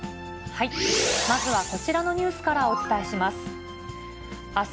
まずはこちらのニュースからお伝えします。